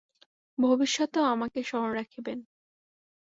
ভবিষ্যতেও আমাকে স্মরণে রাখিবেন।